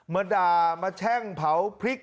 มาด่ามาแช่งเผาพริก